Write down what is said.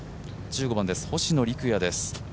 １５番です、星野陸也です。